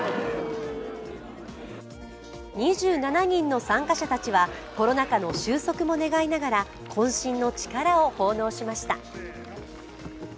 ２７人の参加者たちはコロナ禍の収束も願いながらこん身の力を奉納しました。